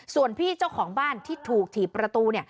ส่วนพี่เจ้าของบ้านที่ถูกถีบประตูเนี่ย